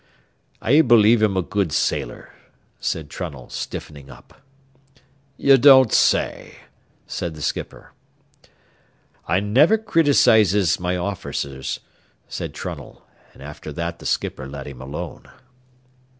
"I believe him a good sailor," said Trunnell, stiffening up. "Ye don't say?" said the skipper. "I never critisizez my officers," said Trunnell; and after that the skipper let him alone.